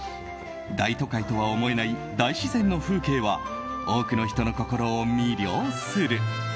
大都会とは思えない大自然の風景は多くの人の心を魅了する。